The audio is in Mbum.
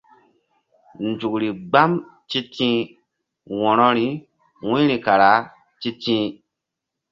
Nzukri mgbam ti̧ti̧h wo̧rori wu̧yri kara ti̧ti̧h.